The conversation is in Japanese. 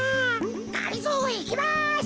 がりぞーいきます！